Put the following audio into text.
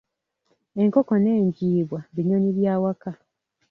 Enkoko n'enjiibwa binyonyi by'awaka.